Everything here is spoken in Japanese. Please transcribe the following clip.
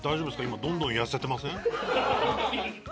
今どんどん痩せてません？